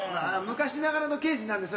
昔ながらの刑事なんです。